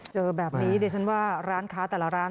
เจอแบบนี้ดิฉันว่าร้านค้าแต่ละร้าน